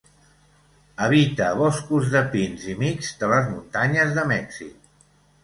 Habita boscos de pins i mixts de les muntanyes de Mèxic.